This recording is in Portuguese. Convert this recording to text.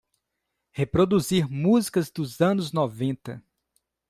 Reproduzir música dos anos noventa.